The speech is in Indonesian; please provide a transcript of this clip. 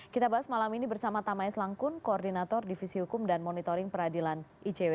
kita bahas malam ini bersama tama es langkun koordinator divisi hukum dan monitoring peradilan icw